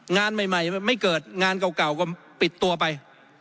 งานใหม่ไม่เกิดงานเก่าก็ปิดตัวไป